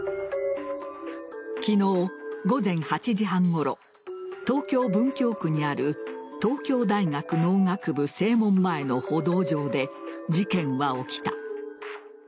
昨日、午前８時半ごろ東京・文京区にある東京大学農学部正門前の歩道上で事件は起きた。